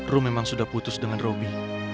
rom memang sudah putus dengan robby